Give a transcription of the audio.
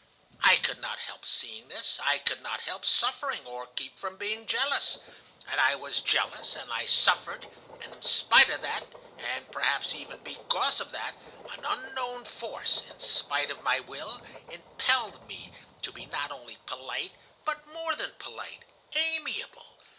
"I could not help seeing this. I could not help suffering, or keep from being jealous. And I was jealous, and I suffered, and in spite of that, and perhaps even because of that, an unknown force, in spite of my will, impelled me to be not only polite, but more than polite, amiable.